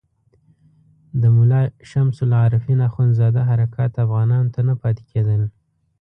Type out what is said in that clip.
د ملا شمس العارفین اخندزاده حرکات افغانانو ته نه پاتې کېدل.